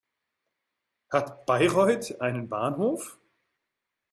Hat Bayreuth einen Bahnhof?